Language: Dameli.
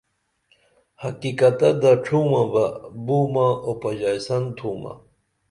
حقیقتہ دڇھومبہ بومہ اوپژائیسن تُھومہ